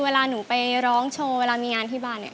เวลาหนูไปร้องโชว์เวลามีงานที่บ้านเนี่ย